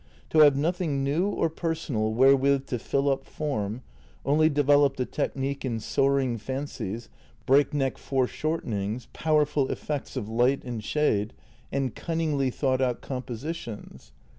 To have nothing new or personal wherewith to fill up form, only develop the technique in soaring fancies, break neck foreshortenings, powerful effects of light and shade, and cunningly thought out compositions.